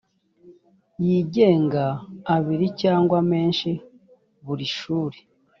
yigenga abiri cyangwa menshi buri shuri